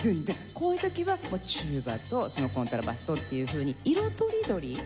こういう時はテューバとコントラバスとっていうふうに色とりどり。